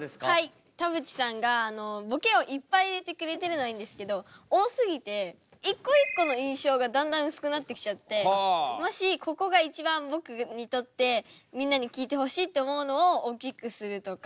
田渕さんがボケをいっぱい入れてくれてるのはいいんですけど多すぎて一個一個の印象がだんだん薄くなってきちゃってもしここが一番僕にとってみんなに聞いてほしいって思うのを大きくするとか。